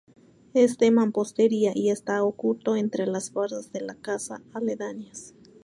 Es de mampostería y está oculto entre las bardas de las casa aledañas.